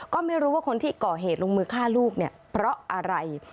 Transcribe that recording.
ก็ไม่รู้ว่าคนที่ก่อเหตุลงมือฆ่าลูกเนี่ยเพราะอะไร